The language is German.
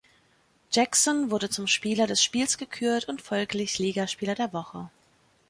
Jackson wurde zum Spieler des Spiels gekürt und folglich Ligaspieler der Woche.